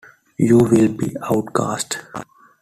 You will be outcast.